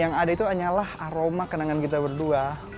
yang ada itu hanyalah aroma kenangan kita berdua